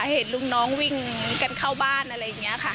เห็นลุงน้องวิ่งลงกันเข้าบ้านบ้าน